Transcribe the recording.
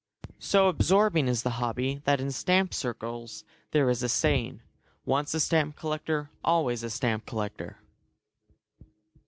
So absorbing is the hobby that in stamp circles there is a saying, "Once a stamp collector, always a stamp collector."